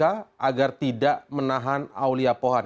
agar tidak menahan aulia pohan